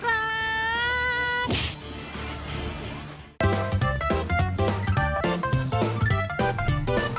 โปรดติดตามตอนต่อไป